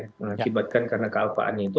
mengakibatkan karena kealfaannya itu